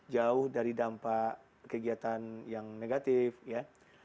jauh dari dampak kegiatan yang negatif ya